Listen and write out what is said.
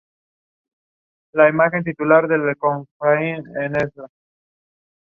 The greater white-toothed shrew is distinguished by a careful examination of their unpigmented teeth.